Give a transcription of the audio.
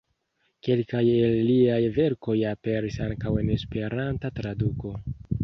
Kelkaj el liaj verkoj aperis ankaŭ en Esperanta traduko.